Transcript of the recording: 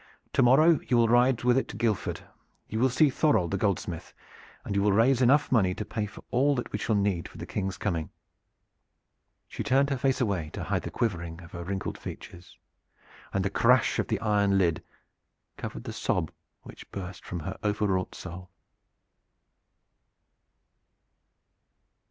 To morrow you will ride with it to Guildford; you will see Thorold the goldsmith; and you will raise enough money to pay for all that we shall need for the King's coming." She turned her face away to hide the quivering of her wrinkled features, and the crash of the iron lid covered the sob which burst from her overwrought soul.